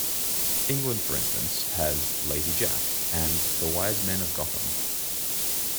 England, for instance, has "Lazy Jack" and "The Wise Men Of Gotham.